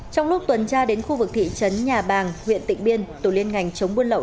trong lúc tuần tra đến khu vực thị trấn nhà bàng huyện tịnh biên tổ liên ngành chống buôn lậu